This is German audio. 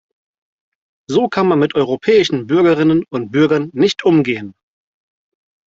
So kann man mit europäischen Bürgerinnen und Bürgern nicht umgehen!